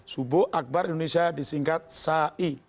subuh akbar indonesia disingkat sai